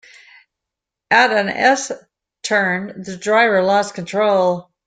At an S-turn the driver lost control.